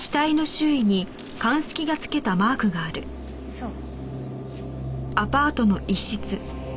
そう。